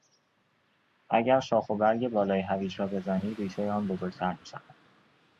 اگر شاخ و برگ بالای هویج را بزنی ریشهی آن بزرگتر میشود.